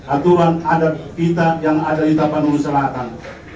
aturan adat kita yang ada di tapanu selatan